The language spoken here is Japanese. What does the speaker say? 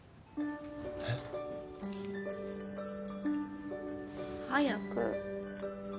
えっ？早く。